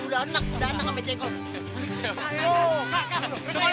udah enak udah enak sama jengkol